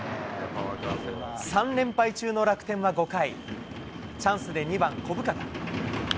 ３連敗中の楽天は５回、チャンスで２番小深田。